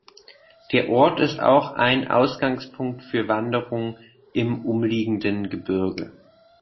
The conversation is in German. Der Ort ist auch ein Ausgangspunkt für Wanderungen im umliegenden Gebirge.